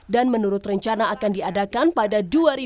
dan menurut rencana akan diadakan pada dua ribu dua puluh lima